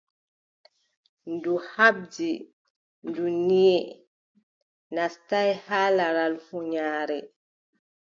Ndu haɓdi, ndu, nyiʼe naastaay har laral huunyaare.